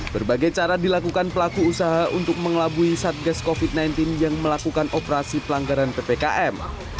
berbagai cara dilakukan pelaku usaha untuk mengelabui satgas covid sembilan belas yang melakukan operasi pelanggaran ppkm